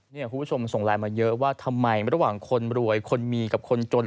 คุณผู้ชมส่งไลน์มาเยอะว่าทำไมระหว่างคนรวยคนมีกับคนจน